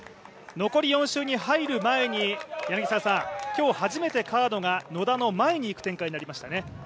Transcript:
残り４周に入る前に、今日初めて川野が野田の前に行く展開になりましたね。